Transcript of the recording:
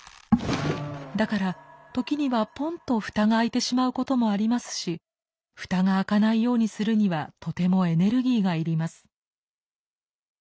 だから時にはポンと蓋が開いてしまうこともありますし蓋が開かないようにするにはとてもエネルギーがいります。